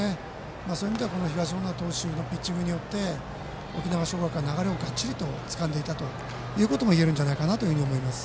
そういう意味では、東恩納投手のピッチングによって沖縄尚学は流れをがっちりつかんでいたともいえると思います。